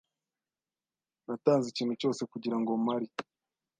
Natanze ikintu cyose kugirango mpari.